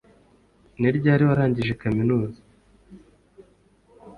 Ni ryari warangije kaminuza